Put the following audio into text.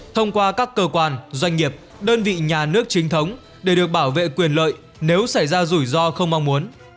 thông qua các cơ quan doanh nghiệp đơn vị nhà nước chính thống để được bảo vệ quyền lợi nếu xảy ra rủi ro không mong muốn